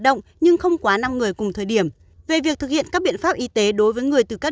động nhưng không quá năm người cùng thời điểm về việc thực hiện các biện pháp y tế đối với người từ các